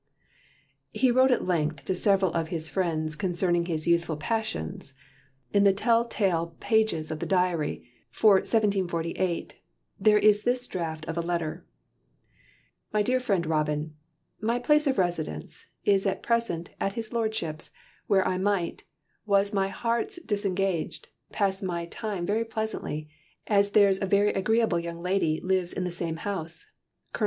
He wrote at length to several of his friends concerning his youthful passions. In the tell tale pages of the diary, for 1748, there is this draft of a letter: "DEAR FRIEND ROBIN: My place of Residence is at present at His Lordship's where I might, was my heart disengag'd, pass my time very pleasantly, as there's a very agreeable Young Lady Lives in the same house (Col.